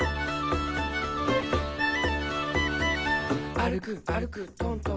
「あるくあるくとんとんと」